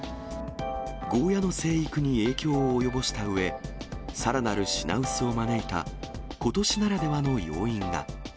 ゴーヤの生育に影響を及ぼしたうえ、さらなる品薄を招いたことしならではの要因が。